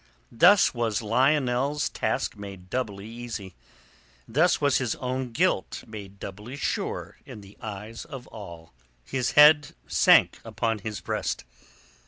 Thus was Lionel's task made doubly easy, thus was his own guilt made doubly sure in the eyes of all. His head sank upon his breast.